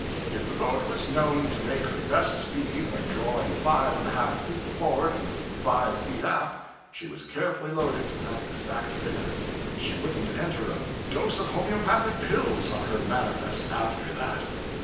If the boat was known to make her best speed when drawing five and a half feet forward and five feet aft, she was carefully loaded to that exact figure she wouldn't enter a dose of homoeopathic pills on her manifest after that.